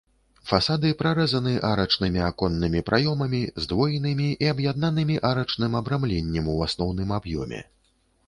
Фасады прарэзаны арачнымі аконнымі праёмамі, здвоенымі і аб'яднанымі арачным абрамленнем у асноўным аб'ёме.